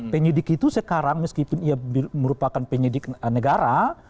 penyidik itu sekarang meskipun ia merupakan penyidik negara